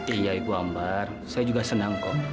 iya ibu hambar saya juga senang kok